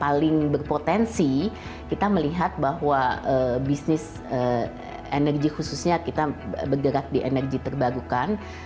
paling berpotensi kita melihat bahwa bisnis energi khususnya kita bergerak di energi terbarukan